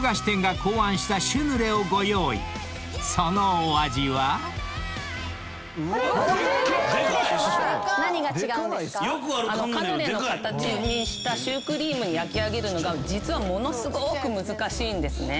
カヌレの形にしたシュークリームに焼き上げるのが実はものすごーく難しいんですね。